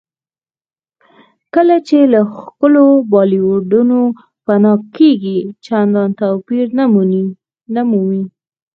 کله چې له ښکلو بولیوارډونو پناه کېږئ چندان توپیر ونه مومئ.